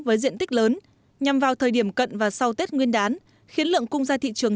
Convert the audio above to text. với diện tích lớn nhằm vào thời điểm cận và sau tết nguyên đán khiến lượng cung ra thị trường